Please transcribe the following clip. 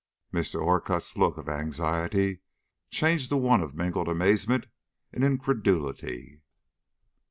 Mr. Orcutt's look of anxiety changed to one of mingled amazement and incredulity.